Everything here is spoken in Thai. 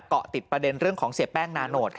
เกาะติดประเด็นเรื่องของเสียแป้งนาโนต